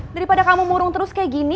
daripada kamu murung terus kayak gini